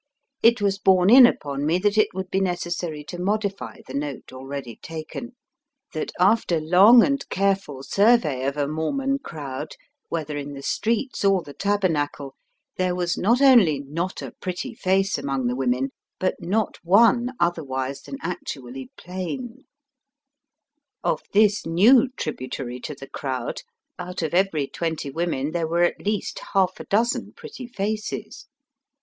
It was borne in upon me that it would be necessary to modify the note already taken — ^that after long and careful survey of a Mormon crowd, whether in the streets or the Tabernacle, there was not only not a pretty face among the women, but not one otherwise than actually plaii^. Of this new tributary to the crowd out of every twenty women there were at least half a dozen pretty faces.